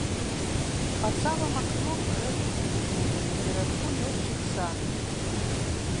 Пад самым акном рамізнік дрэмле на перадку лёгкіх санак.